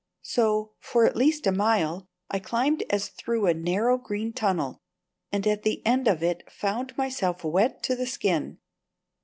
So, for at least a mile, I climbed as through a narrow green tunnel, and at the end of it found myself wet to the skin.